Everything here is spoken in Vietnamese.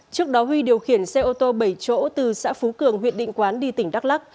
trước đó huy điều khiển xe ô tô bảy chỗ từ xã phú cường huyện định quán đi tỉnh đắk lắc